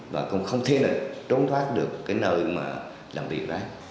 và cũng không thể trốn thoát được cái nơi mà làm việc đó